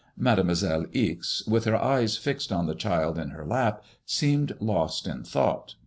Mademoiselle Ixe, with her eyes fixed on the child in her lap, seemed lost in thought.